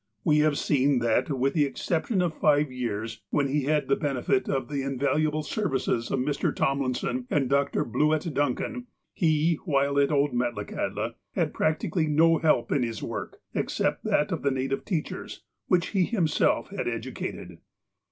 We have seen that, with the exception of five years, when he had the benefit of the invaluable services of Mr. Tomlinson and Dr. Bluett Duncan, he, while at old Metla kahtla, had practically no help in his work, except that of the native teachers, which he himself had educated.